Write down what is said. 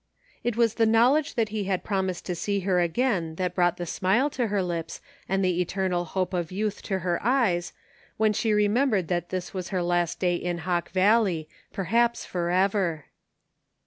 It was the knowledge that he had promised to see her again that brought the smile to her lips and the eternal hope of youth to her eyes, when she remembered that this was her last day in Hawk Valley, perhaps forever.